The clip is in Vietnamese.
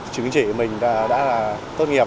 chứng chỉ mình đã là tốt nghiệp